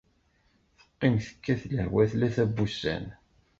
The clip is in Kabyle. Teqqim tekkat lehwa tlata n wussan.